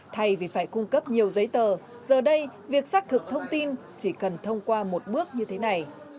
thay vì phải cung cấp nhiều giấy tờ giờ đây việc xác thực thông tin chỉ cần thông qua một bước như thế này